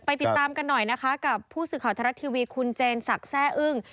ติดตามกันหน่อยนะคะกับผู้สื่อข่าวทรัฐทีวีคุณเจนศักดิ์แซ่อึ้ง